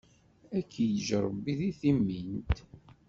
Ad k-iǧǧ Ṛebbi d timint!